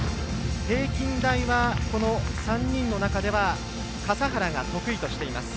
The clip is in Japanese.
平均台は３人の中では笠原が得意としています。